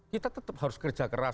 kita tetap harus kerja keras